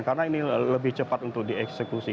karena ini lebih cepat untuk dieksekusi